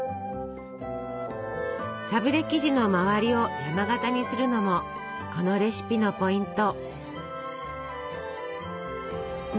サブレ生地の周りを山型にするのもこのレシピのポイント。